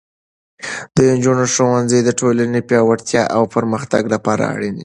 د نجونو ښوونځی د ټولنې پیاوړتیا او پرمختګ لپاره اړین دی.